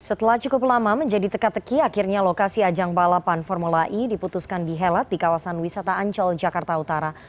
setelah cukup lama menjadi teka teki akhirnya lokasi ajang balapan formula e diputuskan dihelat di kawasan wisata ancol jakarta utara